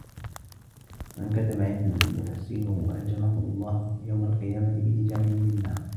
مَنْ كَتَمَ عِلْمًا يُحْسِنُهُ أَلْجَمَهُ اللَّهُ يَوْمَ الْقِيَامَةِ بِلِجَامٍ مِنْ نَارٍ